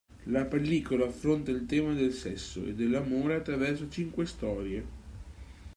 La pellicola affronta il tema del sesso e dell'amore attraverso cinque storie.